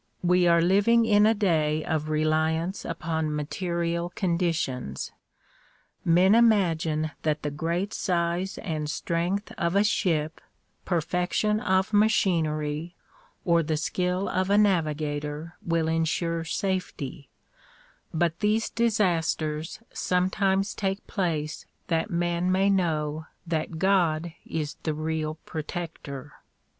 We are living in a day of reliance upon material conditions. J\Ien imagine that the great size and strength of a ship, perfection of machinery or the skill of a navigator will insure safety, but these disasters sometimes take place that men may know that God is the real protector.